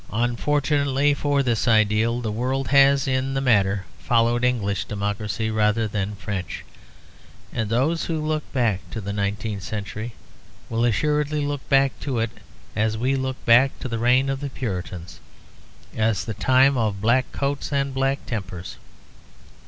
Unfortunately for this ideal, the world has in this matter followed English democracy rather than French; and those who look back to the nineteenth century will assuredly look back to it as we look back to the reign of the Puritans, as the time of black coats and black tempers.